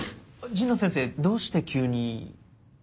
神野先生どうして急に？